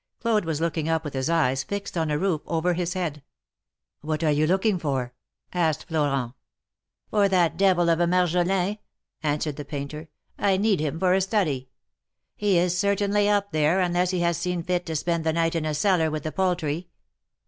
Claude was looking up with his eyes fixed on a roof over his head. ^^What are you looking for?'' asked Florent. For that devil of a Marjolin," answered the painter. I need him for a study. He is certainly up there, unless he has seen fit to spend the night in a cellar with the poultry."